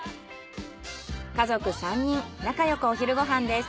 家族３人仲よくお昼ご飯です。